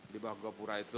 di bawah gapura itu